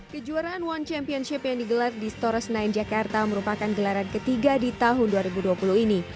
kejuaraan one championship yang digelar di stora senayan jakarta merupakan gelaran ketiga di tahun dua ribu dua puluh ini